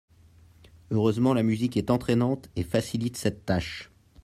Heureusement la musique est entraînante et facilite cette tâche.